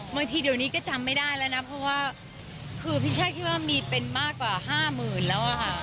บางทีเดี๋ยวนี้ก็จำไม่ได้แล้วนะเพราะว่าคือพี่ช่าคิดว่ามีเป็นมากกว่าห้าหมื่นแล้วอะค่ะ